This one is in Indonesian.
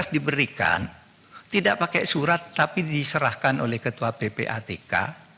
dua ribu tujuh belas diberikan tidak pakai surat tapi diserahkan oleh ketua ppatk